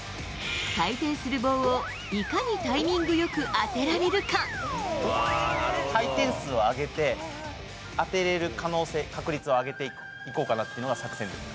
回転する棒をいかにタイミン回転数を上げて、当てられる可能性、確率を上げていこうかなっていうのが作戦です。